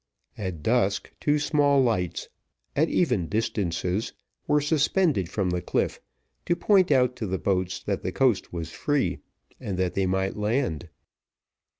At dusk two small lights, at even distances, were suspended from the cliff, to point out to the boats that the coast was free, and that they might land.